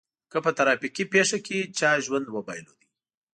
که په ترافيکي پېښه کې چا ژوند وبایلود.